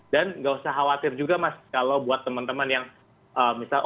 dan nggak usah khawatir juga mas kalau buat teman teman yang misalnya